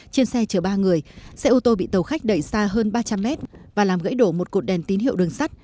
trên xe chở ba người xe ô tô bị tàu khách đẩy xa hơn ba trăm linh mét và làm gãy đổ một cột đèn tín hiệu đường sắt